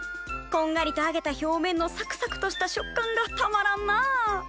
こんがりとあげた表面のサクサクとした食感がたまらんなあ。